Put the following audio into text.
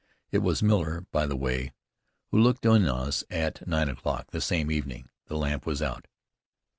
It was Miller, by the way, who looked in on us at nine o'clock the same evening. The lamp was out.